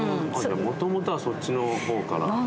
もともとはそっちの方から。